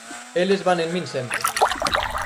Eles van en min sempre.